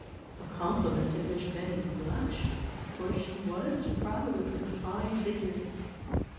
—a compliment at which Betty blushed, for she was proud of her fine figure.